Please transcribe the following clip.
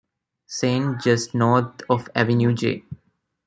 Saint just north of Avenue J.